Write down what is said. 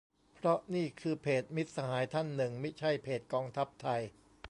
เพราะนี่คือเพจมิตรสหายท่านหนึ่งมิใช่เพจกองทัพไทย